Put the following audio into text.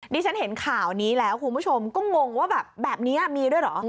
ฉันเห็นข่าวนี้แล้วคุณผู้ชมก็งงว่าแบบแบบนี้มีด้วยเหรอ